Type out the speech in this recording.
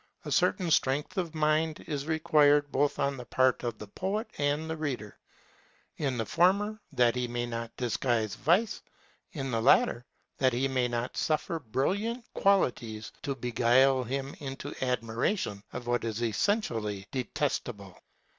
A certain strength of mind is required both on the part of the poet and the reader; in the former that he may not disguise vice, in the latter that he may not suffer brilliant qualities to beguile him into admiration of what is essentially detestable.